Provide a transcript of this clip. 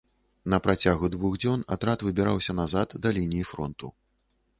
На працягу двух дзён атрад выбіраўся назад да лініі фронту.